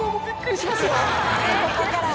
ここから！